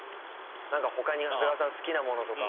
他に長谷川さん好きなものとか。